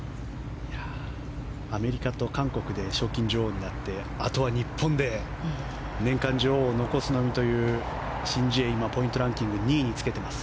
アメリカと韓国で賞金女王になってあとは日本で年間女王を残すのみというシン・ジエ、ポイントランキング２位につけています。